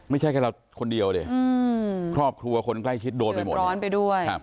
ไม่ใช่แค่เราคนเดียวครอบครัวคนใกล้ชิดโดนไปหมด